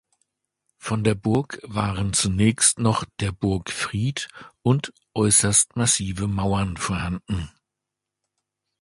Von der Burg waren zunächst noch der Bergfried und äußerst massive Mauern vorhanden.